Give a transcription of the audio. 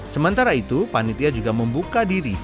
sementara itu panitia juga membuka diri